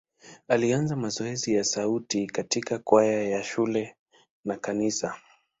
Alianza mazoezi ya sauti katika kwaya ya shule na kanisa.